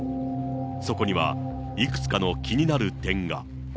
そこには、いくつかの気になる点が。